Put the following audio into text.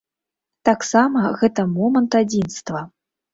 Таксама гэта момант адзінства.